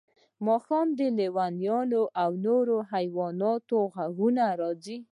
ماښام د لیوانو او نورو حیواناتو غږونه راځي